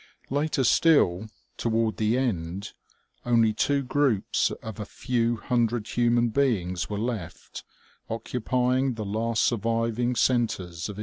Later still, toward the end, only two groups of a few hundred human beings were left, occupying the last sur viving centers of industry.